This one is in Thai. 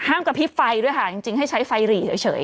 กระพริบไฟด้วยค่ะจริงให้ใช้ไฟหรี่เฉย